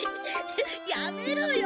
やめろよ